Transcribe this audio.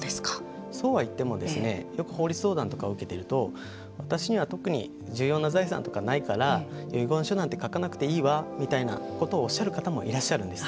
そうはいってもよく法律相談とかを受けていると私には特に重要な財産とかないから遺言書なんて書かなくていいわみたいなことをおっしゃる方もいらっしゃるんです。